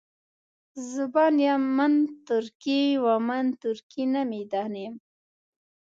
زبان یار من ترکي ومن ترکي نمیدانم.